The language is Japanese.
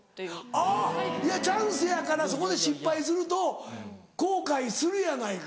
あっいやチャンスやからそこで失敗すると後悔するやないか。